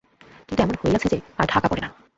কিন্তু এমন হইয়াছে যে আর ঢাকা পড়ে না।